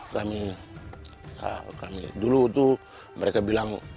kami dulu itu mereka bilang